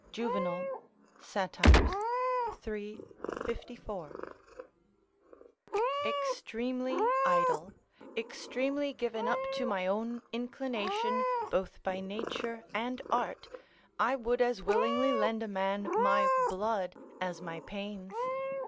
Juvenal, Sat., iii. 54.] Extremely idle, extremely given up to my own inclination both by nature and art, I would as willingly lend a man my blood as my pains.